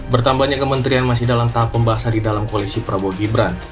bertambahnya kementerian masih dalam tahap pembahasan di dalam koalisi prabowo gibran